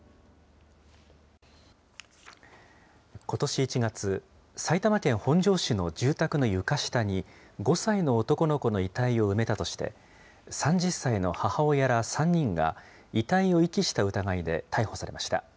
ことし１月、埼玉県本庄市の住宅の床下に、５歳の男の子の遺体を埋めたとして、３０歳の母親ら３人が、遺体を遺棄した疑いで逮捕されました。